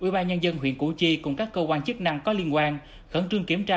ủy ban nhân dân huyện củ chi cùng các cơ quan chức năng có liên quan khẩn trương kiểm tra